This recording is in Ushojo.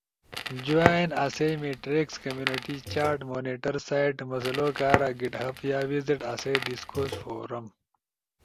جوائن آسئی میٹریکس کمیونٹی چاٹ مونیٹر سائیڈ مسلؤ کارا گیٹ ہب یا ویزٹ آسئی ڈیسکورس فورم